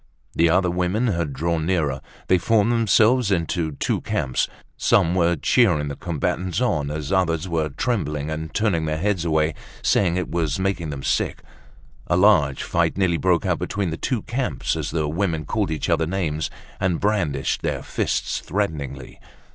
The other women had drawn nearer. They formed themselves into two camps. Some were cheering the combatants on as the others were trembling and turning their heads away saying that it was making them sick. A large fight nearly broke out between the two camps as the women called each other names and brandished their fists threateningly.